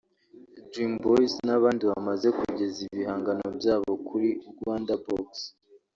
Dream Boys n’abandi bamaze kugeza ibihangano byabo kuri Rwandabox